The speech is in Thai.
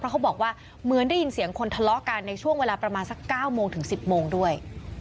เขาบอกว่าเหมือนได้ยินเสียงคนทะเลาะกันในช่วงเวลาประมาณสัก๙โมงถึง๑๐โมงด้วย